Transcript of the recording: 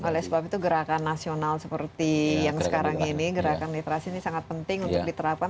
oleh sebab itu gerakan nasional seperti yang sekarang ini gerakan literasi ini sangat penting untuk diterapkan